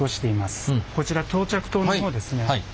こちら到着灯の方ですね